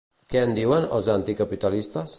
Què en diuen, els anticapitalistes?